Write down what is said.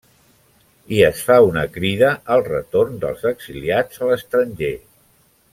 I es fa una crida al retorn dels exiliats a l'estranger.